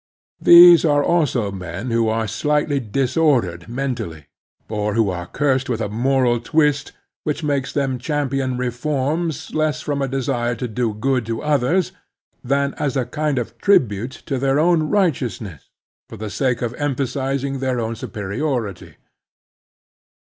There are also men who are slightly disordered mentally, or who are cursed with a moral twist which makes them champion reforms less from a desire to do good to others than as a kind of tribute to their own righteousness, for the sake of emphasizing their own superiority.